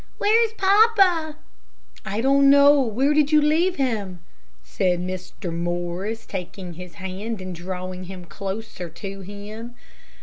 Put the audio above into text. "Where's papa?" "I don't know. Where did you leave him?" said Mr. Morris, taking his hand and drawing him closer to him.